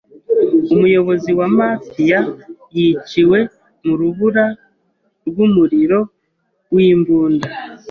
Umuyobozi wa mafia yiciwe mu rubura rw’umuriro w’imbunda.